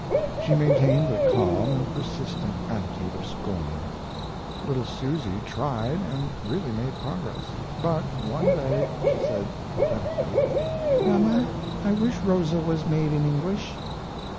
She maintained a calm and persistent attitude of scorn. Little Susy tried, and really made progress; but one, day she said, pathetically: "Mama, I wish Rosa was made in English."